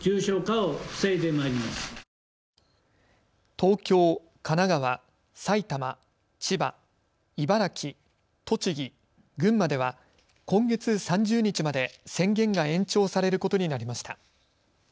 東京、神奈川、埼玉、千葉、茨城、栃木、群馬では今月３０日まで宣言が延長されることになりました。